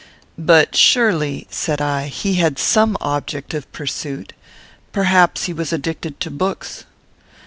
"But surely," said I, "he had some object of pursuit. Perhaps he was addicted to books."